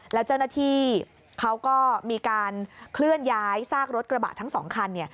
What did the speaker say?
แล้วเจ้าหน้าที่เขาก็มีการเคลื่อนย้ายซากรถกระบะทั้งสองคัน